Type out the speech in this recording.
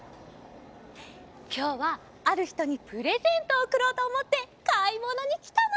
きょうはあるひとにプレゼントをおくろうとおもってかいものにきたの！